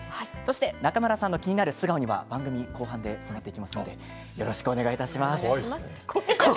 中村さんの気になる素顔には後半で迫っていきますのでお願いします。